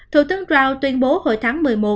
thủ tướng crow tuyên bố hồi tháng một mươi một